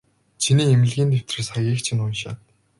Чиний эмнэлгийн дэвтэр дээрээс хаягийг чинь уншаад.